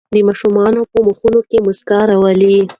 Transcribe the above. د ماشومانو په مخونو کې مسکا راولئ.